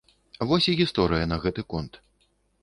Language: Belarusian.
Вось і гісторыя на гэты конт.